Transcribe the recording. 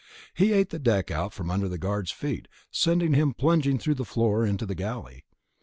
It ate the deck out from under the guard's feet, sending him plunging through the floor into the galley.